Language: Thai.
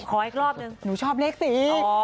ขออีกรอบหนึ่งหนูชอบเล็กซี่